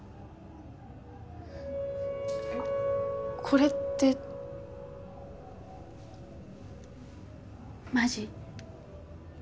えっこれってマジ？